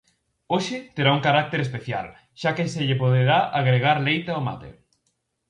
Hoxe terá un carácter especial xa que se lle poderá agregar leite ao mate.